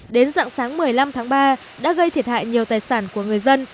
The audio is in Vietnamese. đến dạng sáng một mươi năm tháng ba đã gây thiệt hại nhiều tài sản của người dân